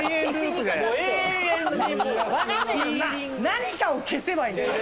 何かを消せばいいんだね。